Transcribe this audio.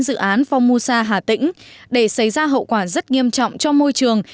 dự án phong musa hà tĩnh để xảy ra hậu quả rất nghiêm trọng cho môi trường